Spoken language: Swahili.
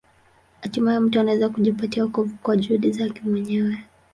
Hatimaye mtu anaweza kujipatia wokovu kwa juhudi zake mwenyewe.